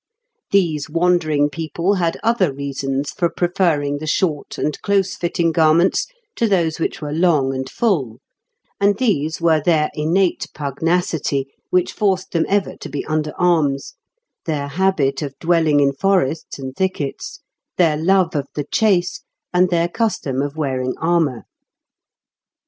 These wandering people had other reasons for preferring the short and close fitting garments to those which were long and full, and these were their innate pugnacity, which forced them ever to be under arms, their habit of dwelling in forests and thickets, their love of the chase, and their custom of wearing armour.